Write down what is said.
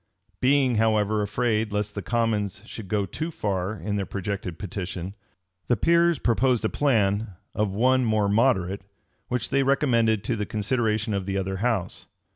[*] Being, however, afraid lest the commons should go too far in their projected petition, the peers proposed a plan of one more moderate, which they recommended to the consideration of the other house.